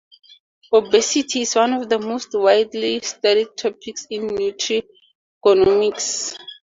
Obesity is one of the most widely studied topics in nutrigenomics.